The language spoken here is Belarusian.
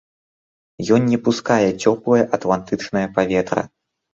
Ён не пускае цёплае атлантычнае паветра.